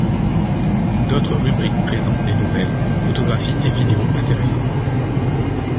D’autres rubriques présentent des nouvelles, photographies et vidéos intéressant.